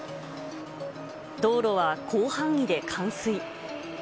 道路は広範囲で冠水。